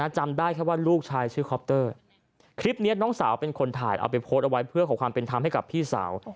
จำได้แค่ว่าลูกชายชื่อคอปเตอร์คลิปนี้น้องสาวเป็นคนถ่ายเอาไปโพสต์เอาไว้เพื่อขอความเป็นธรรมให้กับพี่สาว